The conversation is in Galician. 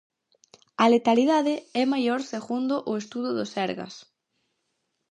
A letalidade é maior segundo o estudo do Sergas.